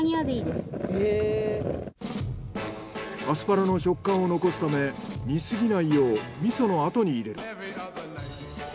アスパラの食感を残すため煮過ぎないよう味噌のあとに入れる。